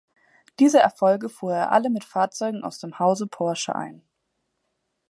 Diese Erfolge fuhr er alle mit Fahrzeugen aus dem Hause Porsche ein.